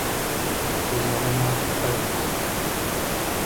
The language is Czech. Což znamená "pevnost".